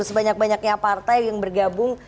sebanyak banyaknya partai yang bergabung